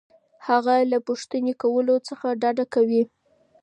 هغه له پوښتنې کولو څخه ډډه کوي.